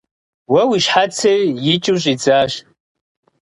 Уэ уи щхьэцыр икӏыу щӏидзащ.